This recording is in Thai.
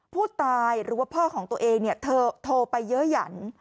ผู้ตายหรือว่าพ่อของตัวเองเธอโทรไปเยอะหยัน